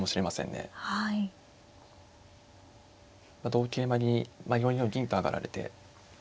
同桂馬に４四銀と上がられて。